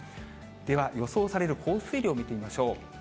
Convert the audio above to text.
では予想される降水量を見てみましょう。